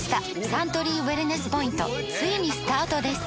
サントリーウエルネスポイントついにスタートです！